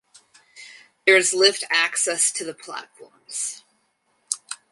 There is lift access to the platforms.